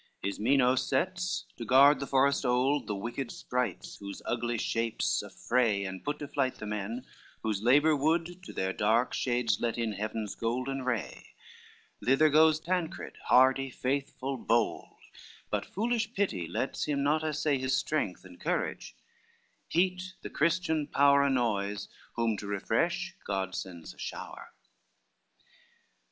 Ismeno sets to guard the forest old The wicked sprites, whose ugly shapes affray And put to flight the men, whose labor would To their dark shades let in heaven's golden ray: Thither goes Tancred hardy, faithful, bold, But foolish pity lets him not assay His strength and courage: heat the Christian power Annoys, whom to refresh God sends a shower.